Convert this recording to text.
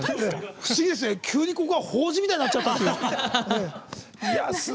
不思議ですね、急にここが法事みたいになっちゃった。